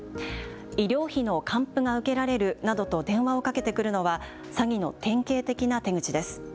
医療費の還付が受けられるなどと電話をかけてくるのは詐欺の典型的な手口です。